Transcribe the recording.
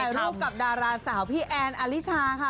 ร่วมกับดาราสาวพี่แอนอลิชาค่ะ